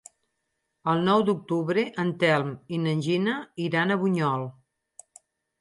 El nou d'octubre en Telm i na Gina iran a Bunyol.